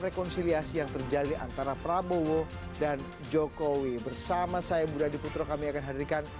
rekonsiliasi yang terjadi antara prabowo dan jokowi bersama saya budha diputro kami akan hadirkan